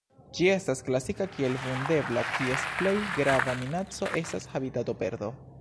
Ĝi estas klasita kiel Vundebla, kies plej grava minaco estas habitatoperdo.